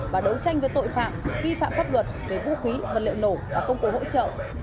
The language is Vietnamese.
và đấu tranh với tội phạm vi phạm pháp luật về vũ khí vật liệu nổ và công cụ hỗ trợ